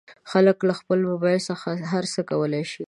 خلک له خپل مبایل څخه هر څه کولی شي.